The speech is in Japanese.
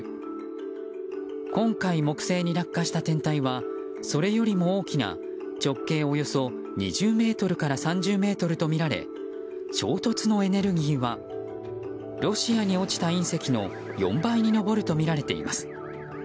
今回、木星に落下した天体はそれよりも大きな直径およそ２０ｍから３０ｍとみられ衝突のエネルギーはロシアに落ちた隕石の４倍に上るとみられています。